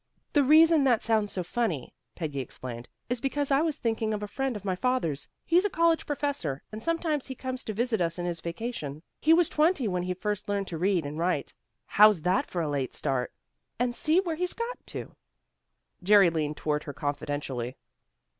"The reason that sounds so funny," Peggy explained, "is because I was thinking of a friend of my father's. He's a college professor, and sometimes he comes to visit us in his vacation. He was twenty when he first learned to read and write. How's that for a late start? And see where he's got to!" Jerry leaned toward her confidentially.